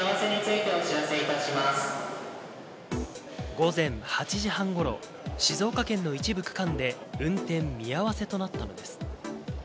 午前８時半頃、静岡県の一部区間で運転見合わせとなったのです。